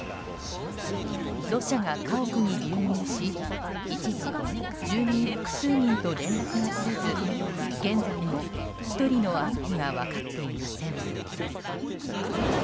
土砂が家屋に流入し一時、住民複数人と連絡が取れず現在も１人の安否が分かっていません。